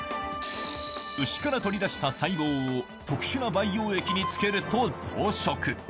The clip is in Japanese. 牛から取り出した細胞を特殊な培養液につけると増殖。